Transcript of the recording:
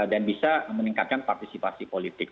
dan bisa meningkatkan partisipasi politik